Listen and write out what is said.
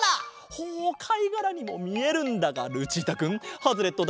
ほうかいがらにもみえるんだがルチータくんハズレットだ！